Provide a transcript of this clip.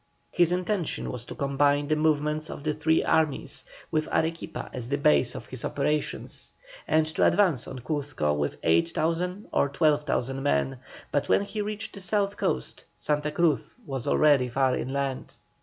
His intention was to combine the movements of the three armies, with Arequipa as the base of his operations, and to advance on Cuzco with 8,000 or 12,000 men, but when he reached the south coast Santa Cruz was already far inland.